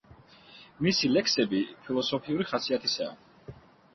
მისი ლექსები ფილოსოფიური ხასიათისაა.